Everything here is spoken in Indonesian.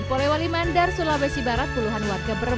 di polewali mandar sulawesi barat puluhan warga bermutu